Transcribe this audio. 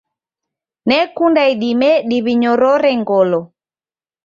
Nekunda idime diw'inyorore ngolo.